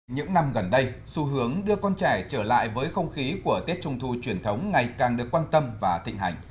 những năm gần đây xu hướng đưa con trẻ trở lại với không khí của tết trung thu truyền thống ngày càng được quan tâm và thịnh hành